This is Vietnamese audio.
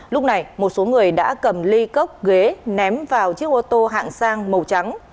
lúc này một số người đã cầm ly cốc ghế ném vào chiếc ô tô hạng sang màu trắng